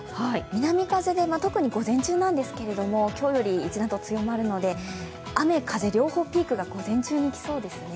南風で特に、午前中今日より一段と強まるので、雨風両方ピークが午前中に来そうですね。